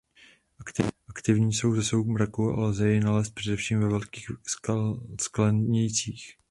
Aktivní jsou za soumraku a lze je nalézt především ve velkých sklenících.